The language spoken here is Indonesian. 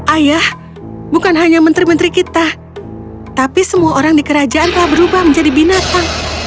ayah bukan hanya menteri menteri kita tapi semua orang di kerajaan telah berubah menjadi binatang